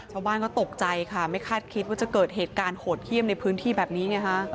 ชาวบ้านก็ตกใจค่ะไม่คาดคิดว่าจะเกิดเหตุการณ์โหดเยี่ยมในพื้นที่แบบนี้ไงฮะ